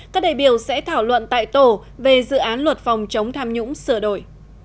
các đại biểu sẽ thảo luận tại tổ về dự án luật phòng chống tham nhũng sửa đổi